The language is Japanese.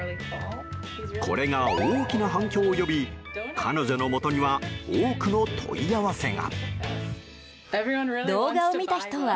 これが大きな反響を呼び彼女のもとには多くの問い合わせが。